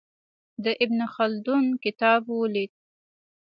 د ابن خلدون کتاب ولید.